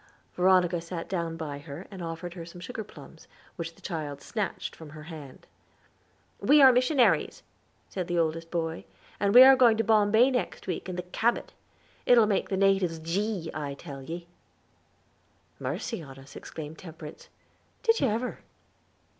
Veronica sat down by her, and offered her some sugar plums, which the child snatched from her hand. "We are missionaries," said the oldest boy, "and we are going to Bombay next week in the Cabot. I'll make the natives gee, I tell ye." "Mercy on us!" exclaimed Temperance, "did you ever?"